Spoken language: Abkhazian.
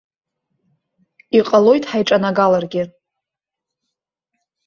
Иҟалоит ҳаиҿанагаларгьы.